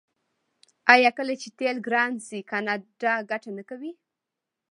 آیا کله چې تیل ګران شي کاناډا ګټه نه کوي؟